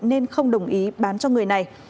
nên không đồng ý bán cho người này